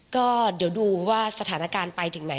ก็เดี๋ยวดูว่าสถานการณ์ไปถึงไหน